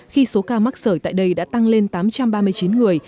khi số ca mắc sởi tại đây đã tăng lên tám trăm ba mươi chín người